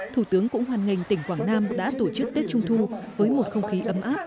thủ tướng cũng hoàn ngành tỉnh quảng nam đã tổ chức tết trung thu với một không khí ấm áp